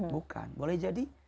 bukan boleh jadi